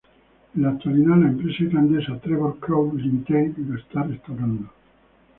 En la actualidad la empresa irlandesa Trevor Crowe Ltd lo está restaurando.